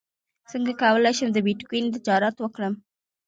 څنګه کولی شم د بیتکوین تجارت وکړم